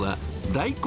大根！